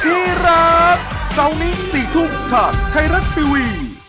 โปรดติดตามตอนต่อไป